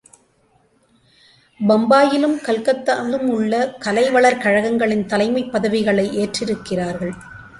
பம்பாயிலும், கல்கத்தாவிலும் உள்ள கலை வளர் கழகங்களின் தலைமைப் பதவிகளை ஏற்றிருக்கிறார்கள்.